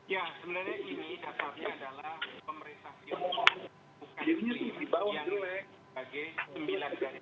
ya sebenarnya ini datarnya adalah pemerintah tiongkok yang bagai sembilan dari sepuluh